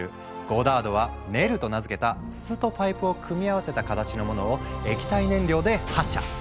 ゴダードは「ネル」と名付けた筒とパイプを組み合わせた形のものを液体燃料で発射。